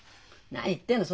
何言ってんの。